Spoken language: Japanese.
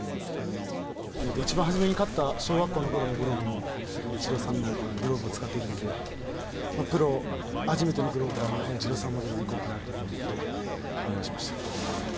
一番初めに買った小学校のころのグローブも、イチローさんのグローブを使っているので、プロ初めてのグローブは、イチローさんモデルでいこうかなと思ってお願いしました。